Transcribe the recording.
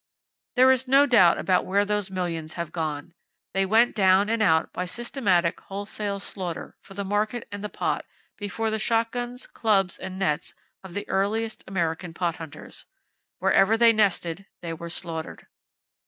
There is no doubt about where those millions have gone. They went down and out by systematic, wholesale slaughter for the market and the pot, before the shotguns, clubs and nets of the earliest American pot hunters. Wherever they nested they were slaughtered.